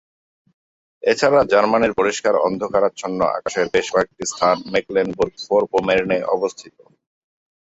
এছাড়া জার্মানির পরিষ্কার অন্ধকারাচ্ছন্ন আকাশের বেশ কয়েকটি স্থান মেকলেনবুর্গ-ফোর্পোমের্নে অবস্থিত।